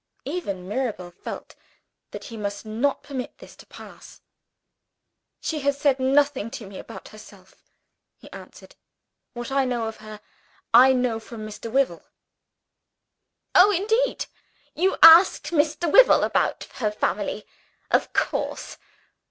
Even Mirabel felt that he must not permit this to pass. "She has said nothing to me about herself," he answered. "What I know of her, I know from Mr. Wyvil." "Oh, indeed! You asked Mr. Wyvil about her family, of course?